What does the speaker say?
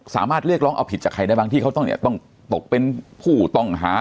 สามารถเรียกร้องเอาผิดจากใครได้บ้างที่เขาต้องเนี่ยต้องตกเป็นผู้ต้องหา